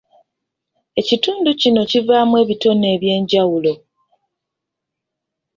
Ekitundu kino kivaamu ebitone ebyenjawulo.